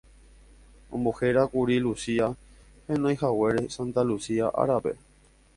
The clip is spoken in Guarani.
Ombohérakuri Lucía, heñoihaguére Santa Lucía árape.